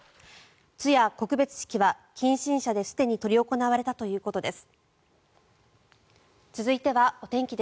通夜・告別式は近親者ですでに執り行われたということです。